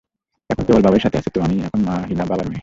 এখন কেবল বাবাই সাথে আছে, তো আমি এখন মা হীনা বাবার মেয়ে।